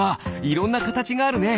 いろんなかたちがあるね。